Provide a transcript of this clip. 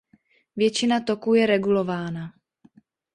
Většina toku je regulována.